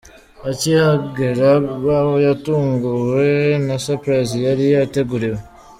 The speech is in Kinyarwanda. Akihagera Babo yatunguwe na 'Surprise' yari yateguriwe.